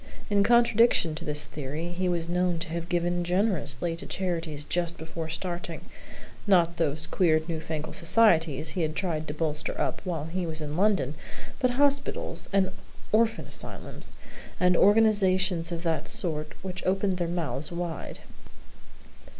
In contradiction to this theory he was known to have given generously to charities just before starting; not those queer, new fangled societies he had tried to bolster up while he was in London, but hospitals and orphan asylums, and organizations of that sort which opened their mouths wide.